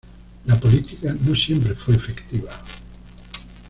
La política no siempre fue efectiva.